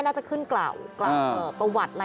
น่าจะขึ้นกล่าวประวัติอะไร